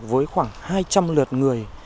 với khoảng hai trăm linh lượt người